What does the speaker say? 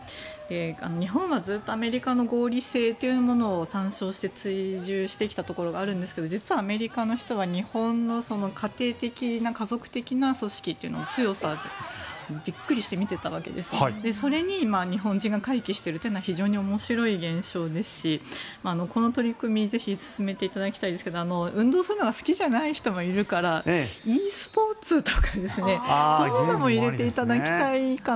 日本はずっとアメリカの合理性というものを参照して追従してきたところがあるんですが実はアメリカの人は日本の家庭的な家族的な組織というものの強さをびっくりして見ていたわけですがそれに日本人が回帰しているのは非常に面白いしこの取り組み広めてほしいですが運動するのが好きじゃない人もいるからｅスポーツとかそういうのも入れていただきたいかな。